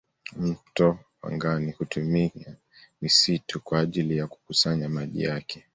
mto pangani hutumia misitu kwa ajili ya kukusanya maji yake